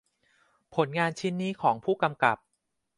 ผลงานชิ้นนี้ของผู้กำกับ